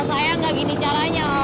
kita dateng kepentingan